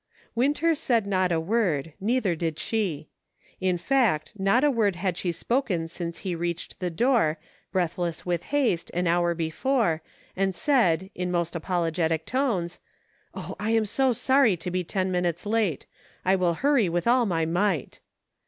Winter said not a word, neither did she. In fact, not a word had she spoken since he reached the door, breathless with haste, an hour before, and said, in most apologetic tones, " O, I am so sorry to be ten minutes late ! I will hurry with all my might."